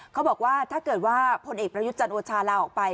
เขาบอกว่าถ้าเกิดว่าพลเอกประยุทธ์จันทร์โอชาลาออกไป